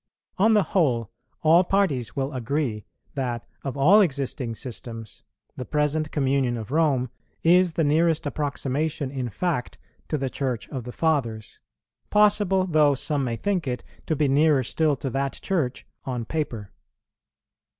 On the whole, all parties will agree that, of all existing systems, the present communion of Rome is the nearest approximation in fact to the Church of the Fathers, possible though some may think it, to be nearer still to that Church on paper.